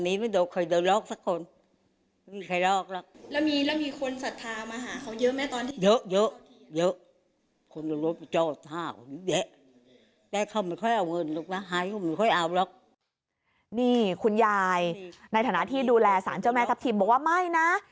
นี่คุณยายในฐานะที่ดูแลสารเจ้าแม่ทัพทิมบอกว่าไม่นะ